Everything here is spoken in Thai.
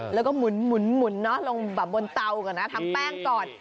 แล้วก็หมุนลงแบบบนเตาก่อนนะทำแป้งก่อน